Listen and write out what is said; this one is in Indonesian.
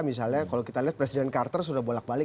misalnya kalau kita lihat presiden carter sudah bolak balik